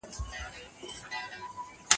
بهاوالدين الهام ساکزى رحمد دل